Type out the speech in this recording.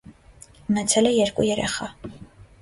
Ունեցել է երկու երեխա։